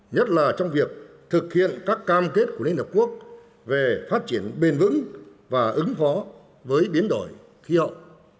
nhất là trong việc thực hiện các cam kết của liên hợp quốc về phát triển bền vững và ứng phó với biến đổi khí hậu